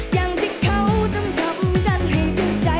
อย่างที่เขาจำทำกันให้จนใจ